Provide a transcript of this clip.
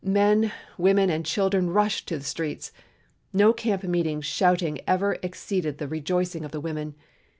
Men, women, and children rushed to the streets, no camp meeting shouting ever exceeding the rejoicing of the women.